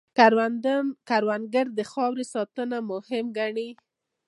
کروندګر د خاورې ساتنه مهم ګڼي